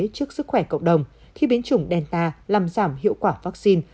trước sức khỏe cộng đồng khi biến chủng delta làm giảm hiệu quả vaccine